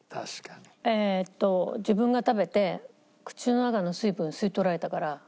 えっと自分が食べて口の中の水分吸い取られたから。